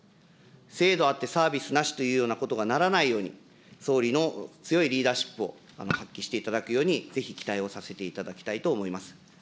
制度あってサービスなしというようなことがならないように、総理の強いリーダーシップを発揮していただくように、ぜひ期待をさせていただきたいと思います。